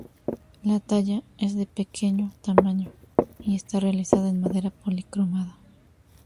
La talla, es de pequeño tamaño y está realizada en madera policromada.